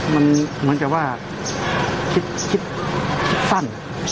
มันเหมือนจะว่าคิดคิดคิดสั้น